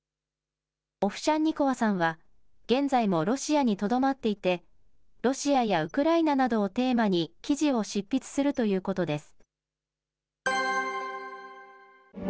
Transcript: オフシャンニコワさんは、現在もロシアにとどまっていて、ロシアやウクライナなどをテーマに、記事を執筆するということです。